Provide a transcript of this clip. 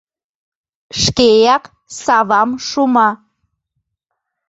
Шкеак савам шума.